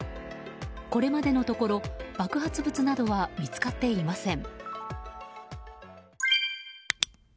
これまでのところ爆発物などは見つかっていません。